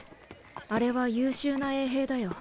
あれは優秀な衛兵だよ。